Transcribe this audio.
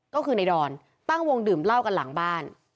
ก็คือในดอนตั้งวงดื่มเหล้ากันหลังบ้าน